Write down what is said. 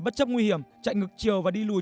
bất chấp nguy hiểm chạy ngược chiều và đi lùi